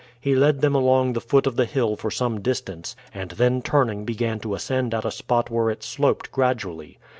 He led them along the foot of the hill for some distance, and then turning began to ascend at a spot where it sloped gradually.